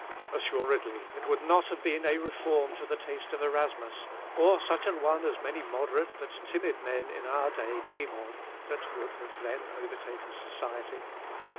Assuredly it would not have been a reform to the taste of Erasmus, or such an one as many moderate but timid men in our day dream of, that would then have overtaken society.